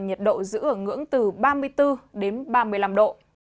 nhiệt độ giữ ở ngưỡng từ ba mươi bốn đến ba mươi năm độ